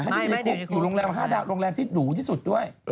ไม่ได้อยู่ในคุกอยู่โรงแรมที่ดูดสุดด้วย